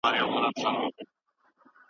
پاچا به هر وخت د شرابو پیاله په لاس کې نیوله.